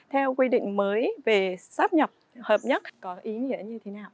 theo quy định mới về sáp nhập hợp nhất có ý nghĩa như thế nào